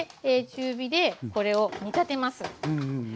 中火でこれを煮立てます。